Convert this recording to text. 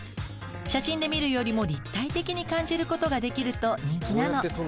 写真で見るよりも立体的に感じることができると人気なの。